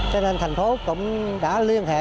cho nên thành phố cũng đã liên hệ